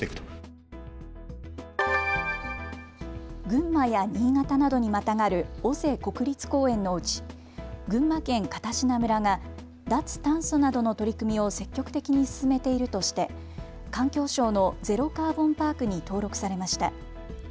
群馬や新潟などにまたがる尾瀬国立公園のうち群馬県片品村が脱炭素などの取り組みを積極的に進めているとして環境省のゼロカーボンパークに登録されました。